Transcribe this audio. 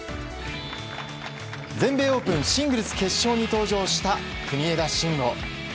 全米オープンシングルス決勝に登場した国枝慎吾。